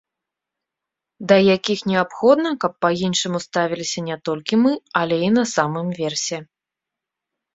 Да якіх неабходна, каб па-іншаму ставіліся не толькі мы, але і на самым версе.